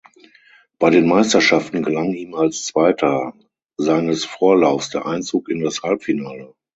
Bei den Meisterschaften gelang ihm als Zweiter seines Vorlaufs der Einzug in das Halbfinale.